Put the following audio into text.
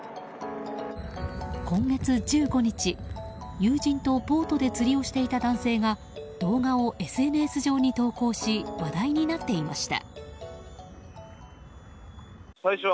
今月１５日、友人とボートで釣りをしていた男性が動画をＳＮＳ上に投稿し話題になっていました。